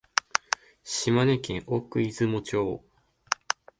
島根県奥出雲町